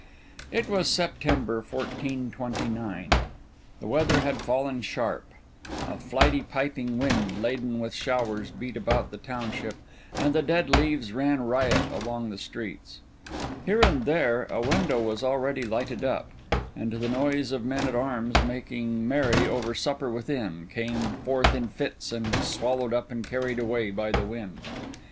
It was September 1429; the weather had fallen sharp; a flighty piping wind, laden with showers, beat about the township; and the dead leaves ran riot along the streets. Here and there a window was already lighted up; and the noise of men at arms making merry over supper within, came forth in fits and was swallowed up and carried away by the wind.